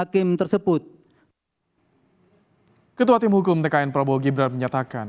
ketua tim hukum tkn prabowo gibran menyatakan